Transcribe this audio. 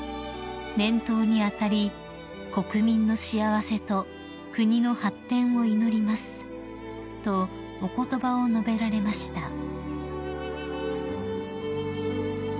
「年頭に当たり国民の幸せと国の発展を祈ります」とお言葉を述べられました］